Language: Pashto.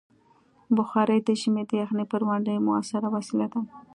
بخاري د ژمي د یخنۍ پر وړاندې مؤثره وسیله ده.